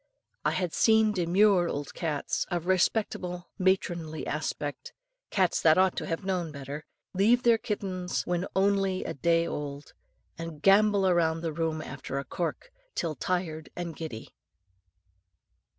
I have seen demure old cats, of respectable matronly aspect, cats that ought to have known better, leave their kittens when only a day old, and gambol round the room after a cork till tired and giddy.